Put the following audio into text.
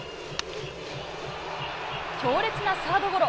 強烈なサードゴロ。